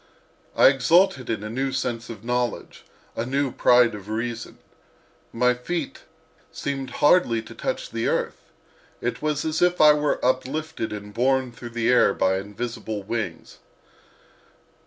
I exulted in a new sense of knowledge, a new pride of reason. My feet seemed hardly to touch the earth; it was as if I were uplifted and borne through the air by invisible wings.